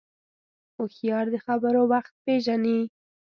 هوښیار د خبرو وخت پېژني